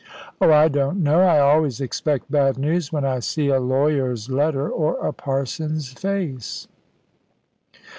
"Oh, I don't know. I always expect bad news when I see a lawyer's letter or a parson's face.